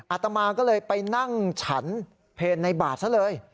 อาตมาก็เลยไปนั่งฉันเพลในบาทซะเลย